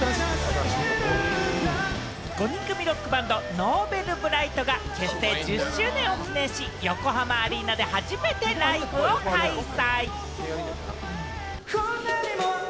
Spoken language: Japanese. ５人組ロックバンド・Ｎｏｖｅｌｂｒｉｇｈｔが結成１０周年を記念し、横浜アリーナで初めてライブを開催。